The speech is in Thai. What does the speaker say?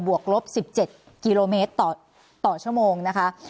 วกลบ๑๗กิโลเมตรต่อชั่วโมงนะคะ